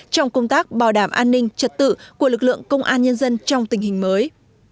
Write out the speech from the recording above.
trong công tác bảo đảm an ninh trật tự của lực lượng công an nhân dân trong tình hình mới